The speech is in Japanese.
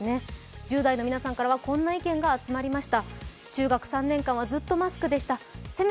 １０代の皆さんからはこんな意見が集まりました。